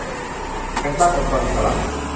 -แต่งตั้งองค์กรอิสระ